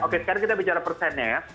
oke sekarang kita bicara persennya ya